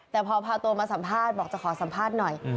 แต่พอพาตัวมาสัมภาษณ์บอกจะขอสัมภาษณ์หน่อย